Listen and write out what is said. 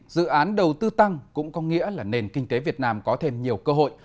dự án đầu tư tăng cũng có nghĩa là nền kinh tế việt nam có thêm nhiều cơ hội